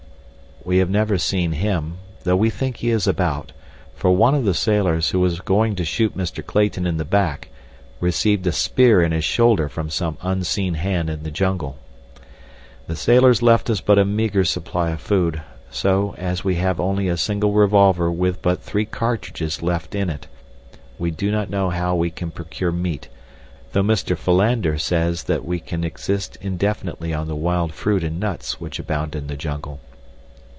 We have never seen him, though we think he is about, for one of the sailors, who was going to shoot Mr. Clayton in the back, received a spear in his shoulder from some unseen hand in the jungle. The sailors left us but a meager supply of food, so, as we have only a single revolver with but three cartridges left in it, we do not know how we can procure meat, though Mr. Philander says that we can exist indefinitely on the wild fruit and nuts which abound in the jungle.